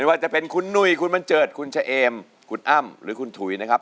ว่าจะเป็นคุณหนุ่ยคุณบันเจิดคุณเฉเอมคุณอ้ำหรือคุณถุยนะครับ